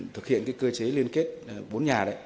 thực hiện cơ chế liên kết bốn nhà đấy